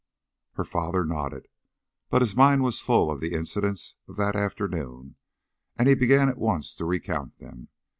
Her father nodded, but his mind was full of the incidents of that afternoon and he began at once to recount them.